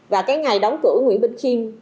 và cái ngày đóng cửa nguyễn bình khiên